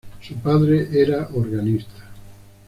Su padre era organista.